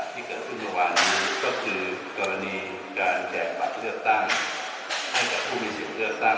ที่เกิดขึ้นเมื่อวานนี้ก็คือกรณีการแจกบัตรเลือกตั้งให้กับผู้มีสิทธิ์เลือกตั้ง